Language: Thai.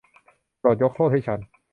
โปรดยกโทษให้ฉัน.